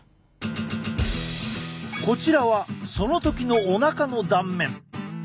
こちらはその時のおなかの断面。